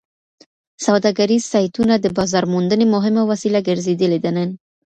سوداګریز سایټونه د بازارموندنې مهمه وسیله ګرځېدلې ده نن.